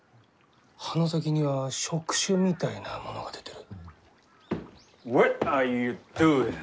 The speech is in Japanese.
葉の先には触手みたいなものが出てる。